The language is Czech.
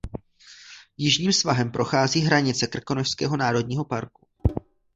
Jižním svahem prochází hranice Krkonošského národního parku.